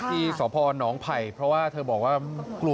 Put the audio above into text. ที่สพนไผ่เพราะว่าเธอบอกว่ากลัว